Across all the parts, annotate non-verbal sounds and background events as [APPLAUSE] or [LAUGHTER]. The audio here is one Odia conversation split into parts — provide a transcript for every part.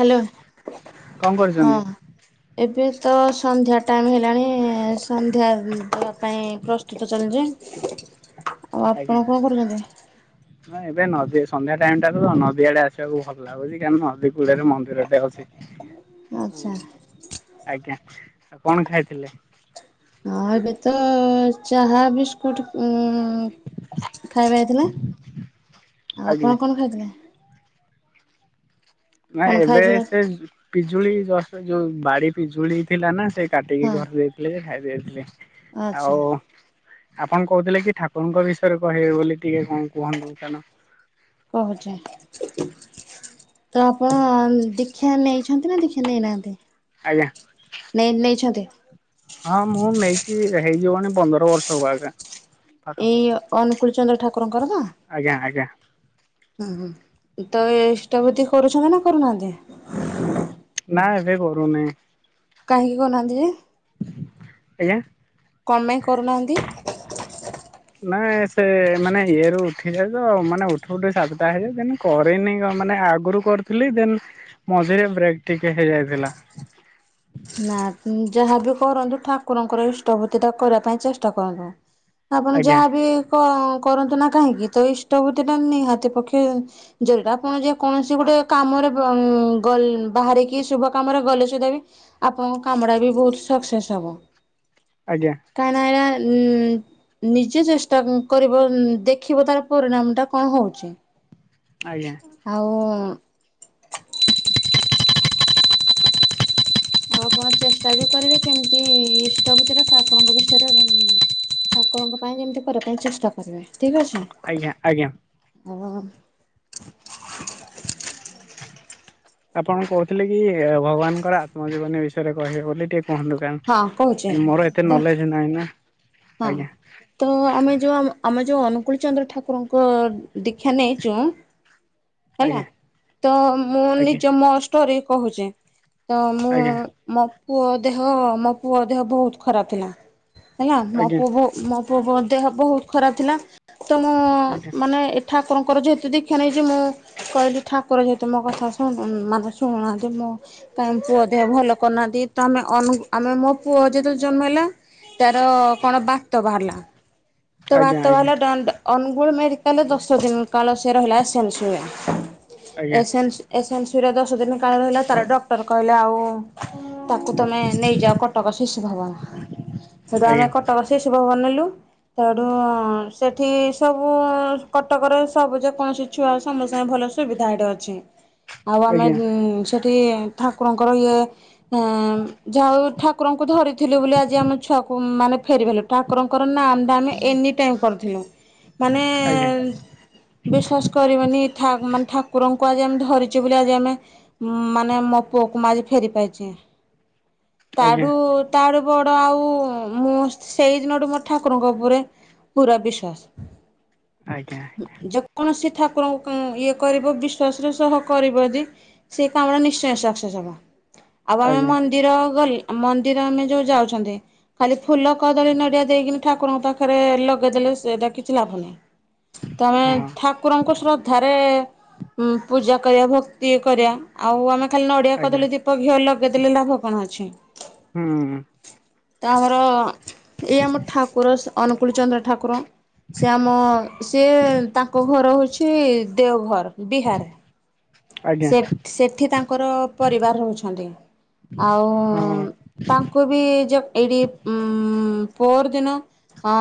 ହ୍ୟାଲୋ କଣ ହଁ କରୁଛନ୍ତି? ଏବେ ତ ସନ୍ଧ୍ୟା ଟାଇମ ହେଲାଣି ସନ୍ଧ୍ୟା ଦେବା ପାଇଁ ପ୍ରସ୍ତୁତ ଚାଲିଛି। ଆଉ ଆପଣ କଣ କରୁଛନ୍ତି? ନା ଏବେ ନଦୀ ସନ୍ଧ୍ୟା ଟାଇମ ଟା ତ ନଦୀ ଆଡେ ଆସିବାକୁ ଭଲ ଲାଗୁଛି। କାରଣ ନଦୀ କୂଳରେ ମନ୍ଦିର ଟେ ଅଛି। ଆଉ ଆଚ୍ଛା। ଆଜ୍ଞା ଆଉ କଣ ଖାଇଥିଲେ? ହଁ ଏବେ ତ ଚାହା ବିସ୍କୁଟ ଉ ଖାଇବା ହେଇଥିଲା, ଆଉ ଆଜ୍ଞା ଆପଣ କଣ ଖାଇଥିଲେ। ନା କଣ ଏବେ ଖାଇଥିଲେ? ସେ ପିଜୁଳି ଯୋଉ ବାଡି ପିଜୁଳି ଥିଲା ନା ସେ କାଟିକି ହଁ ଘରେ ଦେଇଥିଲେ ଯେ ଖାଇ ଦେଇ ଯାଇ ଥିଲି ଆଚ୍ଛା ଆଉ ଆପଣ କହୁଥିଲେ କି ଠାକୁରଙ୍କ ବିଷୟରେ କହିବେ ବୋଲି ଟିକେ କଣ କୁହନ୍ତୁ କାରଣ କହୁଛି ତ ଆପଣ ଦିକ୍ଷ୍ୟ ନେଇଛନ୍ତି ନା ଦିକ୍ଷ୍ୟ ନେଇନାହାନ୍ତି? ଆଜ୍ଞା ନେ ନେଇଛନ୍ତି ହଁ ମୁଁ ନେଇଛି। ହେଇଯିବଣି ପନ୍ଦର ବର୍ଷ ହବ ଆଜ୍ଞା। ଏଇ ପାଖାପାଖି। ଅନୁକୁୂଳ ଚନ୍ଦ୍ର ଠାକୁରଙ୍କର ଆଜ୍ଞା ଆଜ୍ଞା ହୁଁ ତ ଇଷ୍ଟଭୃତି କରୁଛନ୍ତି ନା କରୁନାହାନ୍ତି? ନା ଏବେ କରୁନି କାହିଁକି କହୁନାହାନ୍ତି ଯେ, ଆଜ୍ଞା କଣ ପାଇଁ କରୁନାହାନ୍ତି? ମାନେ ସେ ମାନେ ଇଏ ରୁ ଉଠିଯାଏ ତ ମାନେ ଉଠୁ ଉଠୁ ସାତଟା ହେଇଯାଏ ଦେନ୍ କରିନି ମାନେ ଆଗରୁ କରିଥିଲି ଦେନ୍ ମଝିରେ ବ୍ରେକ୍ ଟିକେ ହେଇଯାଇଥିଲା। [INAUDIBLE] ନା ଯାହାବି କରନ୍ତୁ ଠାକୁରଙ୍କର ଇଷ୍ଟଭୃତି ଟା କରିବା ପାଇଁ ଚେଷ୍ଟା କରନ୍ତୁ। ଆପଣ ଆଜ୍ଞା ଯାହାବି କ କରନ୍ତୁ ନା କାହିଁକି ତ ଇଷ୍ଟଭୃତି ଟା ନିହାତି ପକ୍ଷେ ଆପଣ ଯେ କୌଣସି ଗୋଟେ କାମରେ ଗ ବାହାରିକି ଶୁଭ କାମରେ ଗଲେ ସୁଧା ବି ଆପଣଙ୍କ କାମ ଟା ବି ବହୁତ ସକ୍ସେସ୍ ହବ ଆଜ୍ଞା କାହିଁକି ନା ନିଜେ ଚେଷ୍ଟା କରିବ ଦେଖିବ ତାର ପରିଣାମ ଟା କଣ ହଉଛି। ଆଜ୍ଞା ଆଉ ଆଉ ଆପଣ ଚେଷ୍ଟା ବି କରିବେ କେମିତି ଇଷ୍ଟ ଭିତରେ ତା ଆପଣଙ୍କ ବିଷୟର ଠାକୁରଙ୍କ ପାଇଁ ଯେମିତି କରିବା ପାଇଁ ଚେଷ୍ଟା କରିବେ। ଆଜ୍ଞା ଆଜ୍ଞା। ଓଃ ହୋ ହୋ ଆପଣ କହୁଥିଲେ କି ଭଗବାନଙ୍କର ଆତ୍ମଜୀବନୀ ବିଷୟରେ କହିବେ ବୋଲି ଟିକେ କୁହନ୍ତୁ ହଁ କହୁଛେ କାରଣ ମୋର ଏତେ ତ ନଲେଜ ନାହିଁ ନା। ହଁ ଆଜ୍ଞା ତ ଆମେ ଯୋଉ ଆମେ ଯୋଉ ଅନୁକୂଳ ଚନ୍ଦ୍ର ଠାକୁରଙ୍କ ଦୀକ୍ଷା ନେଇଛୁ ହେଲା ଆଜ୍ଞା ତ ମୁଁ ଆଜ୍ଞା ନିଜ ମୋ ଷ୍ଟୋରି କୋହୁଚି। ତ ମୁଁ ଆଜ୍ଞା ମୋ ପୁଅ ଦେହ ମୋ ପୁଅ ଦେହ ବୋହୁତ ଖରାପ ଥିଲା ହେଲା। ମୋ ଆଜ୍ଞା ପୁଅ ମୋ ପୁଅ ଦେହ ବହୁତ ଖରାପ ଥିଲା। ତ ମୁଁ ଆଜ୍ଞା ମାନେ ଠାକୁରଙ୍କର ଯେହେତୁ ଦୀକ୍ଷା ନେଇଚି। ମୁଁ କହିଲି ଠାକୁର ଯେହେତୁ ମୋ କଥା ଶୁଣୁ ମାନେ ଶୁଣୁନାହାନ୍ତି। ମୁଁ କାଁଇ ପୁଅ ଦେହ ଭଲ କରୁନାହାନ୍ତି। ତ ଆମେ ଅନୁ ଆମେ ମୋ ପୁଅ ଯେତେବେଳେ ଜନ୍ମ ହେଲା ତାର କଣ ବାତ ବାହାରିଲା ତ ଆଜ୍ଞା ବାତ ଆଜ୍ଞା ବାହାରିଲା ଡଣ୍ଡ ଅନୁ ପୁଅର ମେଡିକାଲ ଦଶ ଦିନ କାଳ ସେ ରହିଲା ଏସ୍ଏନ୍ସ ରେ ହୁଏ ଆଜ୍ଞା ଏସ୍ଏନ୍ସ ଏସ୍ଏନ୍ସ ସେଥିରେ ଦଶ ଦିନ କାଳ ରହିଲା ତାର ଡକ୍ଟର କହିଲେ ଆଉ ତାକୁ ତମେ ନେଇଯାଅ କଟକ ଶିଶୁ ଭଵନ। ସେଠୁ ଆମେ କଟକ ଶିଶୁ ଭବନ ନେଲୁ। ସେଡୁ ସେଠି ସବୁ କଟକରେ ସବୁ ଯେକୌଣସି ଛୁଆ ସାଙ୍ଗେ ସାଙ୍ଗେ ଭଲ ସୁବିଧା ଏଠେ ଅଛି ଆଉ ଆମେ ଆଜ୍ଞା ଉଁ ସେଠି ଠାକୁରଙ୍କର ଇଏ ଏଁ ଯାହାହଉ ଠାକୁରଙ୍କୁ ଧରି ଥିଲୁ ବୋଲି ଆଜି ଆମ ଛୁଆକୁ ମାନେ ଫେରିି ପାଇଲୁ ଠାକୁରଙ୍କର ନାଁ ଆମେ ଏନି ଟାଇମ୍ କରିଥିଲୁ ମାନେ ଆଜ୍ଞା ଆଜ୍ଞା ବିଶ୍ଵାସ କରିବନି ଠା ମାନେ ଠାକୁରଙ୍କୁ କୁ ଆଜି ଆମେ ଧରିଛୁ ବୋଲି ଆଜି ଆମେ ମାନେ ମୋ ପୁଅକୁ ମୁଁ ଆଜି ଫେରି ପାଇଚି। ତାଠୁ ତାଠୁ ବଡ ଆଉ ମୁଁ ସେଇ ଦିନଠୁ ମୋ ଠାକୁରଙ୍କ ଉପରେ। ପୁରା ବିଶ୍ଵାସ ଆଜ୍ଞା ଆଜ୍ଞା ଯେକୌଣସି ଠା ଠାକୁରଙ୍କୁ ଇଏ କରିବ ବିଶ୍ଵାସ ର ସହ କରିବ ଯଦି ସେ କାମ ଟା ନିଶ୍ଚୟ ସକ୍ସେସ୍ ହବ। ଆଉ ଆମେ ଆଜ୍ଞା ମନ୍ଦିର ଗଲ ମନ୍ଦିର ଆମେ ଯୋଉ ଯାଉଚନ୍ତି ଖାଲି ଫୁଲ କଦଳୀ ନଡିଆ ଦେଇକିନି ଠାକୁରଙ୍କ ପାଖରେ ଲ ପଗେଇଦେଲେ ସେଇଟା କିଛି ଲାଭ ନାହିଁ। ତମେ ହଁ ଠାକୁରଙ୍କ ଶ୍ରଦ୍ଧାରେ ଉଁ ପୂଜା କରିବା ଭକ୍ତି କରିବା ଆଉ ଆମେ ଖାଲି ନଡ଼ିଆ ଆଜ୍ଞା କଦଳୀ ଦୀପ ଘିଅ ଲଗେଇଦେଲେ ଲାଭ କଣ ଅଛି। ହୁଁ ତା ଆମର ଏଇ ଆମ ଠାକୁର ସ ଅନୁକୂଳ ଚନ୍ଦ୍ର ଠାକୁର ସିଏ ଆମ ସିଏ ତାଙ୍କ ଘର ହେଉଚି ତି ଦେଓଘର ବିହାର। ଆଜ୍ଞା ସେ ସେଠି ତାଙ୍କର ପରିବାର ରହୁଛନ୍ତି ଆଉ ହଁ ଅଁ ତାଙ୍କୁ ବି ଯେ ଏଇଠି ମ୍ ପହର ଦିନ ଅ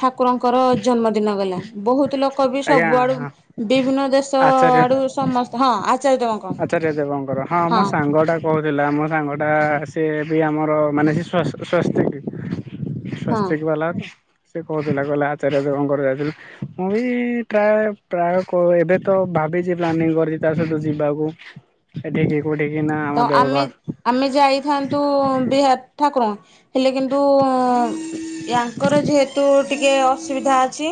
ଠାକୁରଙ୍କର ଜନ୍ମଦିନ ଗଲା ବହୁତ ଲୋକ କବି ଆଜ୍ଞା ସବୁଆଡୁ ହଁ ବିଭିନ୍ନ ଦେଶ ଆଚାର୍ଯ୍ୟ ଆଡୁ ସମସ୍ତେ ହଁ ଆଚାର୍ଯ୍ୟ ଦେବଙ୍କ ଆଚାର୍ଯ୍ୟ ଦେବଙ୍କର ହଁ ମୋ ସାଙ୍ଗଟା କହୁଥିଲା ମୋ ସାଙ୍ଗ ଟା ସେ ବି ଆମର ମାନେ ସ୍ୱସ୍ଥିିକ ହଁ ସ୍ୱସ୍ଥିକବାଲା ସେ କହୁଥିଲା କହିଲା ଆଚାର୍ଯ୍ୟ ଦେବ କଣ କରି ଯାଇଥିଲା ମୁଁ ବି ପ୍ରାୟ ପ୍ରାୟ କ ଏବେ ତ ଭାବିଛି ପ୍ଲାନିଂ କରିଛି ତା ସହିତ ଯିବାକୁ ଏଠିକି କୋଉଠିକି ନା ଆମ ତ ଆମେ ଦେଓଘର ଆମେ ଯାଇଥାନ୍ତୁ ବିହାର। ଠାକୁରଙ୍କ ହେଲେ କିନ୍ତୁ ୟାଙ୍କର ଯେହେତୁ ଟିକେ ଅସୁବିଧା ଅଛି।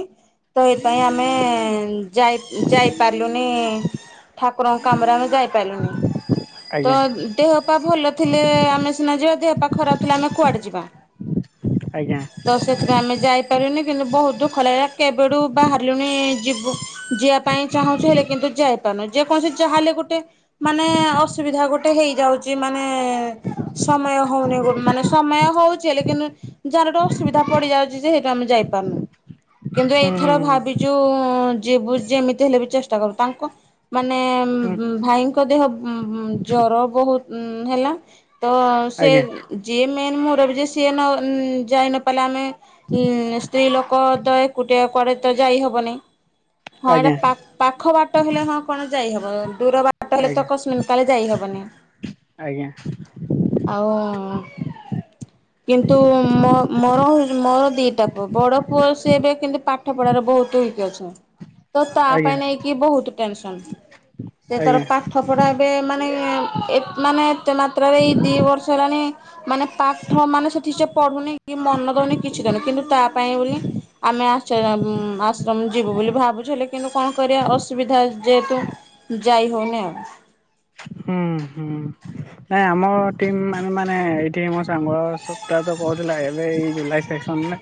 ତ ଏଇପାଇଁ ଆମେ ଯାଇ ଯାଇପାରିଲୁନି। ଠାକୁରଙ୍କ କାମରେ ଆମେ ଯାଇପାରିଲୁନି। ତ ଆଜ୍ଞା ଦେହ ପା ଭଲ ଥିଲେ ଆମେ ସିନା ଯିବା ଦେହପା ଖରାପ ଥିଲେ ଆମେ କୁଆଡେ ଯିବା। ଆଜ୍ଞା ତ ସେଥିପାଇଁ ଆମେ ଯାଇ ପାରିନି। କିନ୍ତୁ ବହୁତ ଦୁଃଖ ଲାଗିଲା କେବେଠୁ ବାହାରିଲୁଣି ଯିବୁ ଯିବା ପାଇଁ ଚାହୁଁଛି ହେଲେ କିନ୍ତୁ ଯାଇ। ଯେକୌଣସି ଯାହାହେଲେ ଗୋଟେ ମାନେ ଅସ- ଅସୁବିଧା ଗୋଟେ ହେଇଯାଉଛି ମାନେ ସମୟ ହେଉନି ମାନେ ସମୟ ହେଉଛି ହେଲେ କିନ୍ତୁ। ଯାହାହେଲେ ଗୋଟେ ଅସୁବିଧା ପଡି ଯାଉଛି ଯେହତୁ ଆମେ ଯାଇପାରୁନୁ। କିନ୍ତୁ ଏଇ ହୁଁ ଥର ହୁଁ ଭାଵିଚୁ ଯିବୁ ଯେମିତି ହେଲେ ବି ଚେଷ୍ଟା କରିକି ତାଙ୍କ - ମାନେ ହୁଁ ଭାଇଙ୍କ ଦେହ ହୁଁ ହୁଁ ଜର ବହୁତ ହେଲା। ତ ସେ ଆଜ୍ଞା ଯିଏ ମେନ୍ ମୁରବି ସିଏ ନ ଯାଇନପାରିଲା ଆମେ - ଉଁ ସ୍ତ୍ରୀ ଲୋକ ତ ଏକୁଟିଆ କୁଆଡେ ତ ଯାଇ ହବନି। ହଁ ଏଇଟା ଆଜ୍ଞା ପାଖ୍ ପାଖ ବାଟ ହେଲେ ହଁ କଣ ଯାଇହବ ଦୂର ବାଟ ହେଲେ ତ ଆଜ୍ଞା କଶମିନ୍ କାଳେ ଯାଇ ହେବନି ଆଜ୍ଞା ଆଉ କିନ୍ତୁ ମୋ ମୋର ମୋର ଦିଟା ପୁଅ ବଡ ପୁଅ ସିଏ ଏବେ କିନ୍ତୁ ପା ପାଠ ପଢାରେ ବହୁତ ୱଇକ ଅଛ ତ ତା ଆଜ୍ଞା ପାଇଁ ନେଇକି ବହୁତ ଟେନସନ ସେ ତାର ଆଜ୍ଞା ପାଠ ପଢା ମାନେ ଏ ମାନେ ଏତେ ମାତ୍ରାରେ ଏଇ ଦି ବର୍ଷ ହେଲାଣି ମାନେ ପାଠ ମାନେ ସେଠି ସେ ପଢ଼ୁନି କି ମନ ଦଉନି କିଛି ଦଉନି କିନ୍ତୁ ତା ପାଇଁ ବୋଲି ଆମେ ଚୟମ ଆଶ୍ରମ ଯିବୁ ବୋଲି ଭାବୁଥିଲେ କିନ୍ତୁ କଣ କରିବା ଅସୁବିଧା ଯେହେତୁ ଯାଇ ହ‌ଉନି ଆଉ। ହୁଁ ହୁଁ ନାଇଁ ଆମର ଟିମ ମାନେ ମାନେ ଏଇଠି ମୋ ସାଙ୍ଗ [UNINTELLIGIBLE] ଏବେ ଏଇ ଜୁଲାଇ ସେସନରେ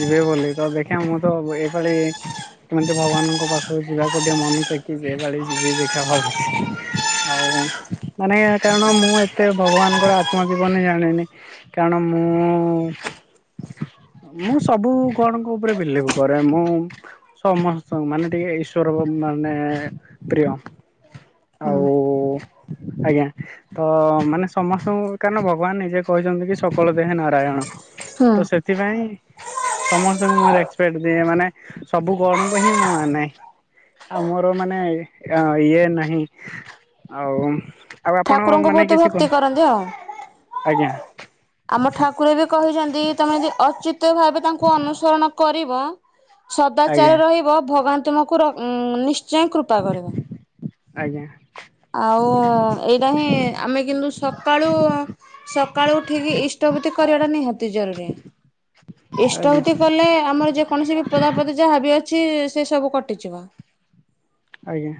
ଯିବେ ବୋଲି ତ ଦେଖିବା ମୁଁ ତ ଏଇଭଳି ଏମତି ଭଗବାନଙ୍କ ପାଖକୁ ଯିବାକୁ ଟିକେ ମନ କି ଯେ ଭଳି ଯିବି ଦେଖା ଭାବୁଛି। ହଉ ମାନେ କାରଣ ମୁଁ ଏତେ ଭଗବାନଙ୍କର ଆତ୍ମଜୀବନୀ ହିଁ ଜାଣିନି କାରଣ ମୁଁ-ଉ-ଉ-ଉ ମୁଁ ସବୁ ଗଡ୍ ଙ୍କ ଉପରେ ଵିଲିଭ୍ କ‌ରେ। ମୁଁ ସମସ୍ତ ମାନେ ଟିକେ ଇସ୍ୱର ମାନେ ପ୍ରିୟ। ହଁ। ଆଉ ଆଜ୍ଞା ତ ମାନେ ସମସ୍ତଙ୍କୁ କାରଣ ଭଗବାନ ନିଜେ କହିଛନ୍ତି କି ସକଳ ଦେହେ ନାରାୟଣ। ହୁଁ ତ ସେଥିପାଇଁ ସମସ୍ତଙ୍କୁ ମୁଁ ରେସପେକଟ ଦିଏ ମାନେ ସବୁଗଡ଼ଙ୍କୁ ହି ମାନେ। ଆମୋର ମାନେ ଅ ଇଏ ନାହିଁ ଆଉ ଆଉ ଆପଣ ଠାକୁରଙ୍କୁ ମାନେ ବହୁତ କିଛି ଭକ୍ତି କୁହନ୍ତୁ କରନ୍ତି ଆଉ। ଆଜ୍ଞା ଆମ ଠାକୁର ବି କହିଛନ୍ତି ଯଦି ତମେ ଯଦି ଅଚ୍ୟୁତ ଭାବେ ତାଙ୍କୁ ଅନୁସରଣ କରିବ ଆଜ୍ଞା ସଦାଚାର ରହିବ ଭଗବାନ ତୁମକୁ ର ଉ-ଉ-ଉମ୍ ନିଶ୍ଚୟ କୃପା କରିବ। ଆଜ୍ଞା। ଆଉ ଏଇଟା ହିଁ ଆମେ କିନ୍ତୁ ସକାଳୁ ସକାଳୁ ଉଠିକି ଇଷ୍ଟବୃତି କରିବା ଟା ନିହାତି ଜରୁରୀ। ଆଜ୍ଞା ଇଷ୍ଟବତି ଆଜ୍ଞା କଲେ ଆମର ଯେକୌଣସି ବି ବିପଦ ଆପଦ ଯାହା ବି ଅ ଛି ସେ ସବୁ କଟିଯିବ। ଆଜ୍ଞା।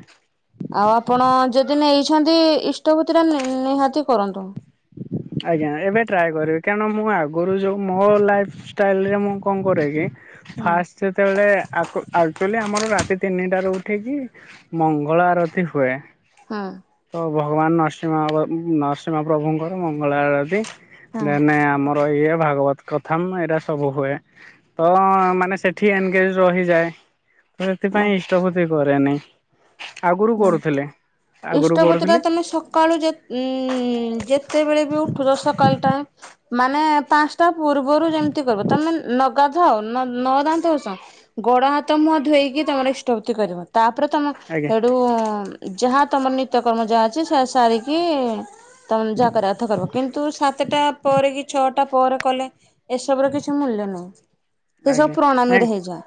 ଆଉ ଆପଣ ଯଦି ନେଇଛନ୍ତି ଇଷ୍ଟପତି ଟା ନି ନିହାତି କରନ୍ତୁ। ଆଜ୍ଞା ଏବେ ଟ୍ରାଏ କରିବି କାରଣ ମୁଁ ଆଗରୁ ଯୋଉ ମୋ ଲାଇଫ ଷ୍ଟାଇଲ ରେ ମୁଁ କଣ କରେ କି ହୁଁ ଫାଷ୍ଟ ଯେତେବେଳେ ଆକୁ ଆ ଆକ୍ଚୁଆଲି ଆମର ରାତି ତିନିଟାରୁ ଉଠିକି ମଙ୍ଗଳ ଆରତି ହୁଏ। ହଁ। ତ ଭଗବାନ ନରସିଂମା ଅବ ନରସିଂହ ପ୍ରଭୁଙ୍କର ମଙ୍ଗଳା ଆଳତି‌। ଦେନ ଆମର ଇଏ ଭାଗବତ କଥାମ୍ ଏଇଟା ସବୁ ହୁଏ ତ ମାନେ ସେଠି ଏନଗେଜ ରହିଯାଏ। ତ ଏଥିପାଇଁ ଇଷ୍ଟପତି କରେନି। ଆଗରୁ ହଁ କରୁଥିଲେ। ଆଗରୁ ଇଷ୍ଟପତି ଟା କରୁଥିଲି ତୁମେ ସକାଳୁ ଯେ ଉମ୍-ମ୍-ମ୍-ମ୍ ଯେ କେତେବେଳେ ବି ଉଠୁଛ ସକାଳ ଟାଇମ୍ ମାନେ ପାଞ୍ଚଟା ପୂର୍ବରୁ ଯେମିତି କରିବ ତମେ ନ ଗାଧଅ ନ ଦାନ୍ତଘସ ଗୋଡ଼ ହାତ ମୁହଁ ଧୋଇକି ତମର ଇଷ୍ଟବତି କରିିବ ତା ପର ତମ ଆଜ୍ଞା ସେଇଠୁ-ଉ-ଉ-ଉ ଯାହା ତମର ନିତ୍ୟକର୍ମ ଯାହା ଅଛି ସେ ସାରିକି ତମେ ଯାହା କରିବା କଥା କରିବ କିନ୍ତୁ ସାତଟା ପରେ କି ଛଅଟା ଟା ପରେ କଲେ ଏସବୁ ର କିଛି ମୂଲ୍ୟ ନାହିଁ। ସେ ସବୁ ଆଜ୍ଞା ପ୍ରଣାମୀରେ ହେଇଯାଏ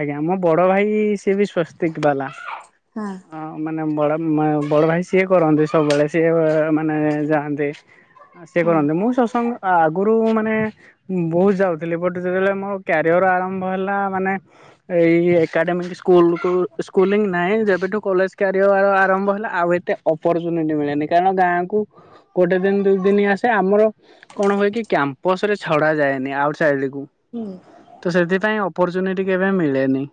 ଆଜ୍ଞା ମୋ ବଡ ଭାଇ ସି ବି ସ୍ଵସ୍ତିକ ବାଲା ହଁ ଅ ମାନେ ବଡ ମ ବଡ ଭାଇ ସିଏ କରନ୍ତି ସବୁବେଳେ ସିଏ-ଏ-ଏ-ଏ ମାନେ ଯାଆନ୍ତି ସେ ହଁ କରନ୍ତନ୍ତି ମୁଁ ସତ୍ସଙ୍ଗ ଆଗରୁ ମାନେ ବହୁତ ଯାଉଥିଲି ଯେତେଳେ ମୋର କ୍ୟାରିଅର ଆରମ୍ଭ ହେଲା ମାନେ ଏ ଏକାଡେମିକ ସ୍କୁଲକୁ ସ୍କୁଂ ନାହିଁ ଯେବେଠୁ କଲେଜ କ୍ୟାରିଅର ଆରମ୍ଭ ହେଲେ ଆଉ ଏତେ ଅପରଚୁନିଟି ମିଳେନି କାରଣ ଗାଁକୁ ଗୋଟେ ଦିନ ଦୁଇ ଦିନ ଆସେ ଆମର କଣ ହୁଏ କି କ୍ୟାମ୍ପସ ରେ ଛଡା ଯାଏନି ଆଉ ଥିଲିକୁ ହୁଁ ତ ସେଥିପାଇଁ ଆପର୍ଚୁନିଟୀ କେବେ ମିଳେନି।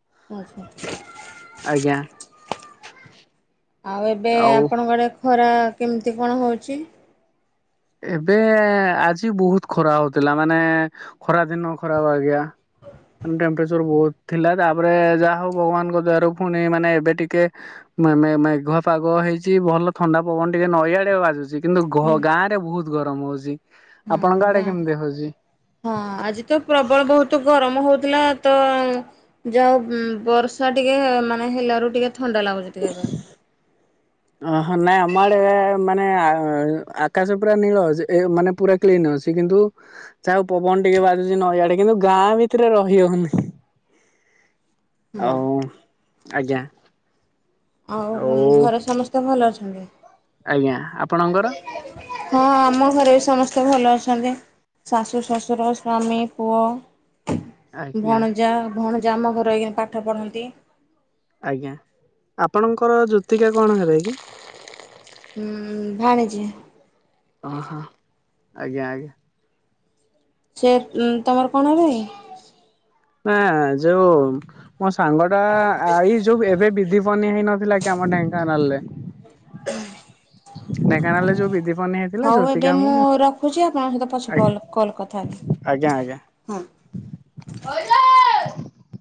ଆଚ୍ଛା। ଆଜ୍ଞା। ଆଉ ଏବେ ଆଉ ଆପଣଙ୍କ ଆଡେ ଖରା କେମିତି କଣ ହଉଛି? ଏବେ ଆଜି ବହୁତ ଖରା ହଉଥିଲା ମାନେ ଖରା ଦିନ ଖରାହବ ଆଜ୍ଞା ଟେମପ ବହୁତ ଥିଲା ତାପରେ ଯାହା ହଉ ଭଗବାନଙ୍କ ଦ୍ଵାର ପୁଣି ମାନେ ଏବେ ଟିକେ ମେଘୁଆ ପାଗ ହେଇଛିି ଭଲ ଥଣ୍ଡା ପବନ ଟିକେ ନଈଆଡେ ବାଜୁଛି କିନ୍ତୁ ଘ ଗାଁ ରେ ବହୁତ ଗରମ ହଉଛି। ଆପଣଙ୍କ ହଁ ଆଡେ ଗାଁ କେମିତି ହଉଛି? ହଁ ଆଜି ତ ପ୍ରବଳ ବହୁତ ଗରମ କମ ହଉଥିଲା ତ ଯାହୋଉ ବର୍ଷା ଟିକେ ମାନେ ହେଲାରୁ ଟିକେ ଥଣ୍ଡା ଲାଗୁଛି। ପତ କ ଅହ ନାଇଁ ଆମ ଆଡେ ଏ ମାନେ ଆକାଶ ପୁରା ନୀଳ ଅ ମାନେ ପୁରା କ୍ଲିନ୍ ଅ କିନ୍ତୁ ଯହା ଆଉ ପବନ ଟିକେ ବାଜୁଛି ନଈଆଡେ କିନ୍ତୁ ଗାଁ ଭିତରେ ରହିହଉନି। [INAUDIBLE] ଆଉ ଆଜ୍ଞା। ଆଉ ଘରେ ସମସ୍ତେ ଭଲ ଅଛନ୍ତି। ଆଜ୍ଞା ଆପଣଙ୍କର? ହଁ ଆମ ଘରେ ବି ସମସ୍ତେ ମସ୍ତେ ଭଲ ଅଛନ୍ତି ଶାଶୁଶ୍ୱଶୁର ସ୍ୱାମୀପୁଅ ଆଜ୍ଞା ଭଣଜା ଭଣଜା ଆମ ଘରଇ ପାଠ ପଢନ୍ତି। ଆଜ୍ଞା ଆପଣଙ୍କର ଜୁତିକା କଣ ହେବେ କି? ହୁଁ ଭାଣିଜି ଉହୋ ଆଜ୍ଞା ଆଜ୍ଞା। ସେ ତମର କଣ ହେବେକି? ନା ଯେଉ ମୋ ସାଙ୍ଗ ଟା ଆଇ ଯୋଉ ଏବେ ବିଧି ପନି ହେଇନଥିଲା କି ଆମ ଢେଙ୍କାନାଲରେ ହ। ଢେଙ୍କାନାଳ ଯଉ ବି ହଉ ଏବେ ମୁଁ ରଖୁଛି ଆଜ୍ଞା ଆପଣଙ୍କ ସହିତ ପଛ ଆଜ୍ଞା ଆଜ୍ଞା। କଲ କଥା ହେବି। ହଁ